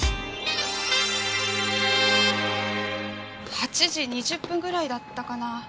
８時２０分ぐらいだったかな。